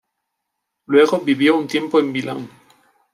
Luego vivió un tiempo en Milán.